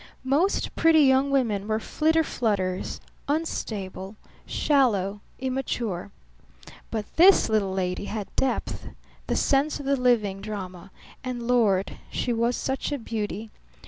Most pretty young women were flitter flutters, unstable, shallow, immature. But this little lady had depth, the sense of the living drama; and, Lord, she was such a beauty!